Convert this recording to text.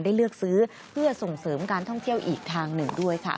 เลือกซื้อเพื่อส่งเสริมการท่องเที่ยวอีกทางหนึ่งด้วยค่ะ